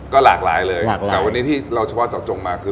ก็หลากหลายเลยแต่วันนี้ที่เราเฉพาะเจาะจงมาคือ